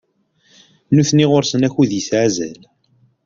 Nutni ɣur-sen akud yesɛa azal.